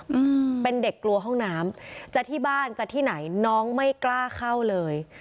อืมเป็นเด็กกลัวห้องน้ำจะที่บ้านจะที่ไหนน้องไม่กล้าเข้าเลย